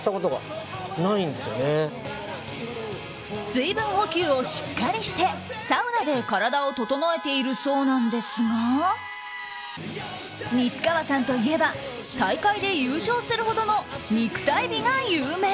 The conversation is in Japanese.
水分補給をしっかりしてサウナで体を整えているそうなんですが西川さんといえば大会で優勝するほどの肉体美が有名。